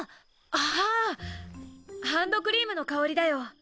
ああハンドクリームの香りだよ。